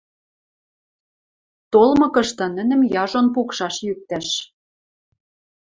Толмыкышты, нӹнӹм яжон пукшаш, йӱктӓш.